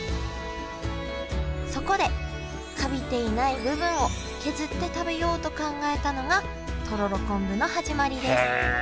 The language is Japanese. そこでカビていない部分を削って食べようと考えたのがとろろ昆布の始まりです